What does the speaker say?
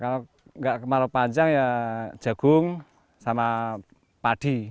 kalau nggak kemarau panjang ya jagung sama padi